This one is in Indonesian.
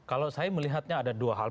kalau saya melihatnya ada dua hal